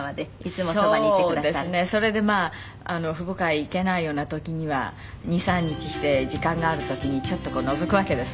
それで父母会行けないような時には２３日して時間のある時にちょっとのぞくわけです